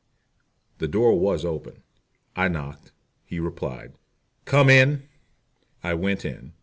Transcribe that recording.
The door was open. I knocked. He replied, "Come in." I went in.